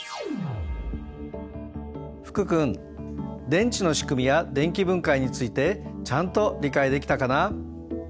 福君電池のしくみや電気分解についてちゃんと理解できたかな？